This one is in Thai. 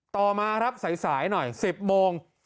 ต่อมาครับสายหน่อย๑๐โมง